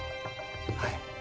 はい。